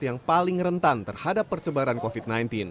yang paling rentan terhadap persebaran covid sembilan belas